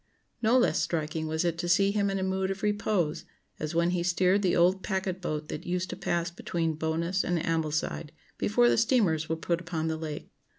No less striking was it to see him in a mood of repose, as when he steered the old packet boat that used to pass between Bowness and Ambleside, before the steamers were put upon the Lake.